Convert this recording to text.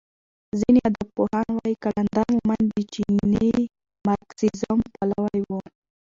ځینې ادبپوهان وايي قلندر مومند د چیني مارکسیزم پلوی و.